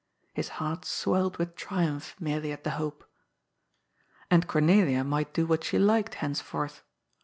His heart swelled with triumph merely at the hope. And Cornelia might do what she liked henceforth.